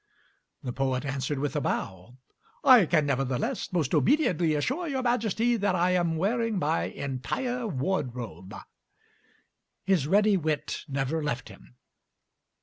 The poet answered with a bow, 'I can nevertheless most obediently assure your Majesty that I am wearing my entire wardrobe.'" His ready wit never left him.